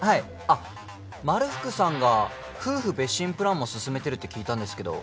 あっまるふくさんが夫婦別寝プランもすすめてるって聞いたんですけど。